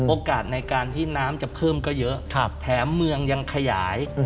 โอกาสในการที่น้ำจะเพิ่มก็เยอะแถมเมืองยังขยาย